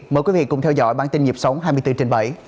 mời quý vị cùng theo dõi bản tin nhịp sống hai mươi bốn trên bảy